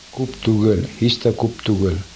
Күп түгел, һис тә күп түгел.